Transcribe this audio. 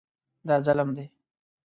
دا ظلم دی.